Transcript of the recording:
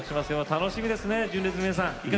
楽しみですね、純烈の皆さん。